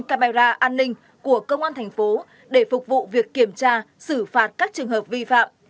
camera an ninh của công an thành phố để phục vụ việc kiểm tra xử phạt các trường hợp vi phạm